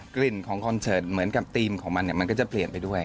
กลิ่นของคอนเซิร์ตเทรียมของมันจะเปลี่ยนไปเรื่อย